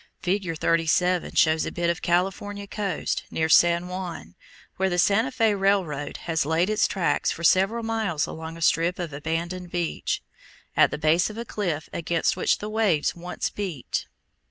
Figure 37 shows a bit of California coast, near San Juan, where the Santa Fé railroad has laid its tracks for several miles along a strip of abandoned beach, at the base of a cliff against which the waves once beat.